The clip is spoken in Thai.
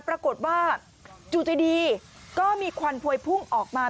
ปรากฏว่าจู่ใจดีก็มีควันพวยพุ่งออกมา